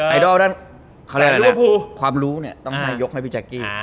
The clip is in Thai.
ไอดอลด้านความรู้เนี่ยต้องมายกให้พี่แจ๊กกี้